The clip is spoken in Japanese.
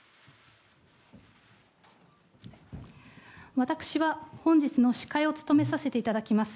私は本日の司会を務めさせていただきます